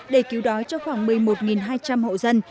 để cứu đói cho khoảng một mươi một hai trăm linh hộ dân